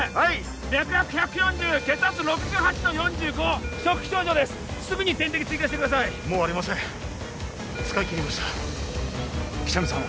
脈拍１４０血圧６８の４５はいショック症状ですすぐに点滴追加してくださいもうありません使い切りました喜多見さんは？